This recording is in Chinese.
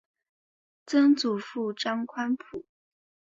曾祖父张宽甫。